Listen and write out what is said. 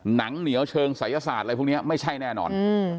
หนังเหนียวเชิงศัยศาสตร์อะไรพวกนี้ไม่ใช่แน่นอน